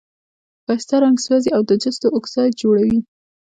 په ښایسته رنګ سوزي او د جستو اکسایډ جوړوي.